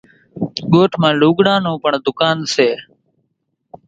ڳوٺ مان لوُڳران نان پڻ ۮُڪانَ سي۔